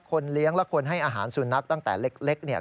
เลี้ยงและคนให้อาหารสุนัขตั้งแต่เล็กเนี่ย